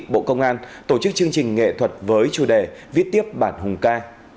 bộ công an tổ chức chương trình nghệ thuật với chủ đề viết tiếp bản hùng ca